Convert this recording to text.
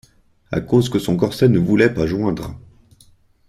À cause que son corset ne voulait pas joindre !